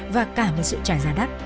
và cả một sự trả giá đắt